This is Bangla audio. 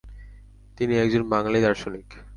তিনি একজন বাঙালি দার্শনিক।